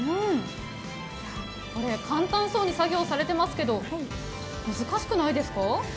簡単そうに作業されていますけど、難しくないですか？